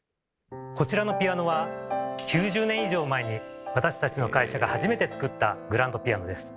こちらのピアノは９０年以上前に私たちの会社が初めて作ったグランドピアノです。